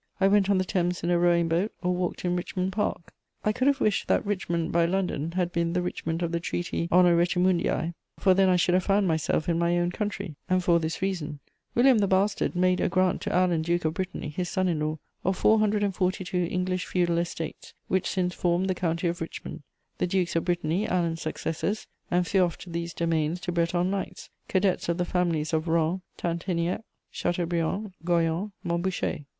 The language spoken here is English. _ I went on the Thames in a rowing boat, or walked in Richmond Park. I could have wished that Richmond by London had been the Richmond of the treaty Honor Richemundiæ, for then I should have found myself in my own country, and for this reason: William the Bastard made a grant to Alan Duke of Brittany, his son in law, of 442 English feudal estates, which since formed the County of Richmond: the Dukes of Brittany, Alan's successors, enfeoffed these domains to Breton knights, cadets of the families of Rohan, Tinténiac, Chateaubriand, Goyon, Montboucher.